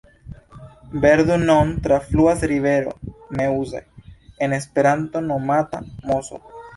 Verdun-on trafluas rivero Meuse, en Esperanto nomata Mozo.